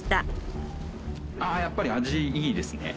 ああやっぱり味いいですね。